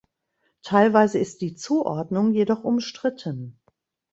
Teilweise ist die Zuordnung jedoch umstritten.